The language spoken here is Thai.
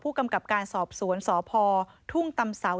กำกับการสอบสวนสพทุ่งตำเสา